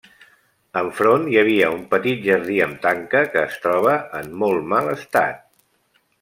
Enfront hi havia un petit jardí amb tanca que es troba en molt mal estat.